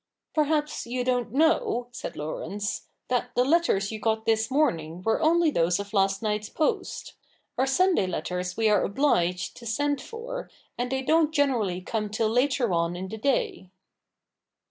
' Perhaps you don't know,' said Laurence, ' that the letters you got this morning were only those of last night's post. Our Sunday letters we are obliged to send for, and they don't generally come till later on in the day.'